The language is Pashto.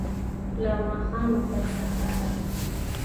له ماښامه، تر سهاره